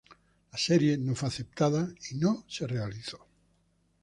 La serie no fue aceptada y no se realizó.